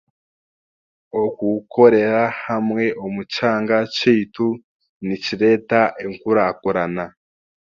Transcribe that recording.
Okukorera hamwe omu kyanga kyaitu nikireeta enkurakurana